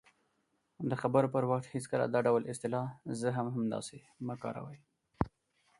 -د خبرو پر وخت هېڅکله دا ډول اصطلاح"زه هم همداسې" مه کاروئ :